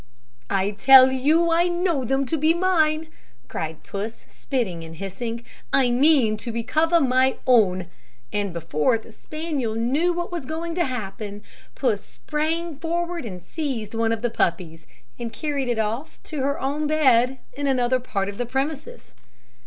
"I tell you I know them to be mine," cried Puss, spitting and hissing; "I mean to recover my own." And before the spaniel knew what was going to happen, Puss sprang forward, seized one of the puppies, and carried it off to her own bed in another part of the premises.